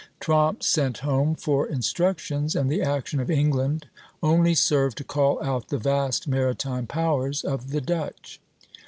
Tromp sent home for instructions, and the action of England only served to call out the vast maritime powers of the Dutch.